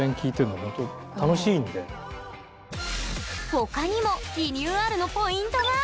他にもリニューアルのポイントが。